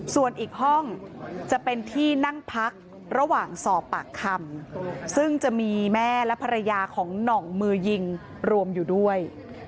ส่วนอีกห้องจะเป็นที่นั่งพักระหว่างสอบปากคำซึ่งจะมีแม่และภรรยาของหน่องมือยิงรวมอยู่ด้วย